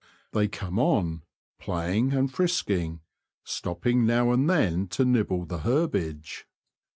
They come on, playing and frisking, stopping now and then to nibble the herbage.